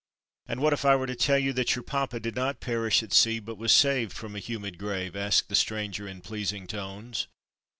"And what if I were to tell you that your papa did not perish at sea, but was saved from a humid grave?" asked the stranger in pleasing tones.